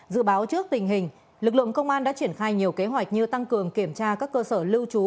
dự báo trước tình hình lực lượng công an đã triển khai nhiều kế hoạch như tăng cường kiểm tra các cơ sở lưu trú